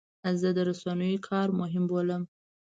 زه د رسنیو کار مهم بولم.